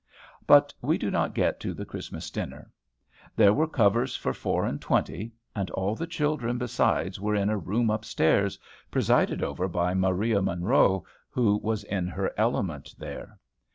But we do not get to the Christmas dinner. There were covers for four and twenty; and all the children besides were in a room upstairs, presided over by Maria Munro, who was in her element there.